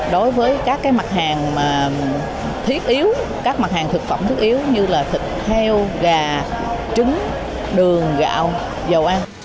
đối với các mặt hàng thiết yếu các mặt hàng thực phẩm thiết yếu như thịt heo gà trứng đường gạo dầu ăn